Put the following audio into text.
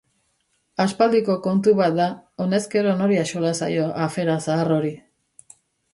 Aspaldiko kontu bat da, honezkero nori axola zaio afera zahar hori?